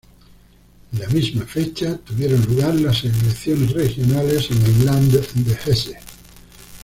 En la misma fecha tuvieron lugar las elecciones regionales en el "Land" de Hesse.